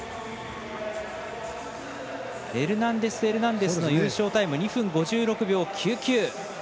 エルナンデスエルナンデスの優勝タイム２分５６秒９９。